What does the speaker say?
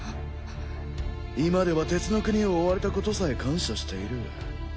今では鉄の国を追われたことさえ感謝している。